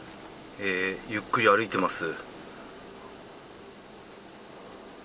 ゆっくり歩いています。